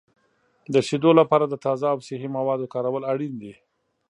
د شیدو لپاره د تازه او صحي موادو کارول اړین دي.